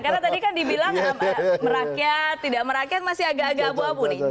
karena tadi kan dibilang merakyat tidak merakyat masih agak agak abu abu nih